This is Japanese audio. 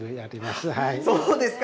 そうですか。